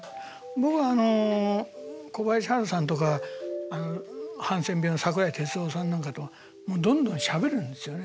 僕は小林ハルさんとかハンセン病の桜井哲夫さんなんかとどんどんしゃべるんですよね。